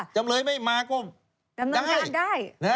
จำเลยไม่มาก็ได้